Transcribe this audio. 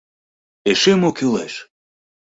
— Эше мо кӱлеш?!